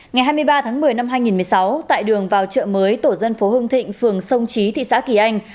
ngày hai mươi ba tháng một mươi năm hai nghìn một mươi sáu tại đường vào chợ mới tổ dân phố hương thịnh phường sông trí thị xã kỳ anh